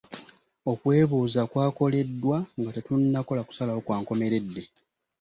Okwebuuza kwakoleddwa nga tetunnakola kusalawo kwa nkomeredde.